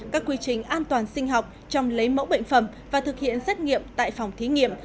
các quy trình an toàn sinh học trong lấy mẫu bệnh phẩm và thực hiện xét nghiệm tại phòng thí nghiệm